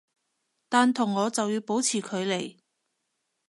但同我就要保持距離